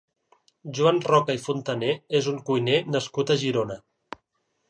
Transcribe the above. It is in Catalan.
Joan Roca i Fontané és un cuiner nascut a Girona.